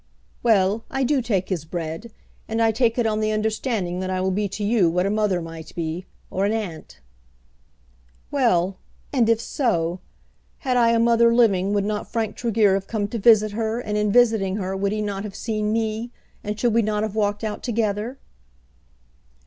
"Well; I do take his bread, and I take it on the understanding that I will be to you what a mother might be, or an aunt." "Well, and if so! Had I a mother living would not Frank Tregear have come to visit her, and in visiting her, would he not have seen me, and should we not have walked out together?"